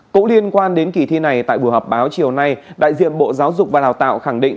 cũng liên quan đến kỳ thi này tại buổi họp báo chiều nay đại diện bộ giáo dục và đào tạo khẳng định